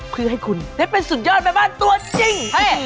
เพื่อให้คุณได้เป็นสุดยอดแม่บ้านตัวจริง